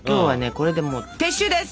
これでもう撤収です！